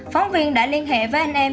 phóng viên đã liên hệ với anh em